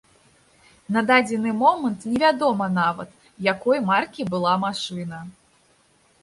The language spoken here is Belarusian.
На дадзены момант невядома нават, якой маркі была машына.